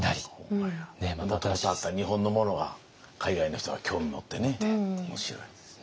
もともとあった日本のものが海外の人が興味持ってね面白い。